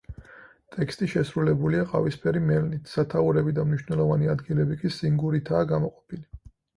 ტექსტი შესრულებულია ყავისფერი მელნით, სათაურები და მნიშვნელოვანი ადგილები კი სინგურითაა გამოყოფილი.